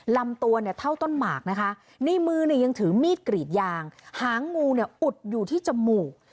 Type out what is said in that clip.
ลำตัวเนี่ยเท่าต้นหมากนะคะในมือเนี่ยยังถือมีดกรีดยางหางงูเนี่ยอุดอยู่ที่จมูก